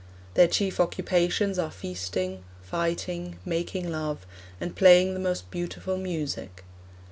Their chief occupations are feasting, fighting, making love, and playing the most beautiful music.